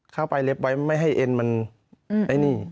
เข้าไปเล็บไว้ไม่ให้เอ็นมันไอ้นี่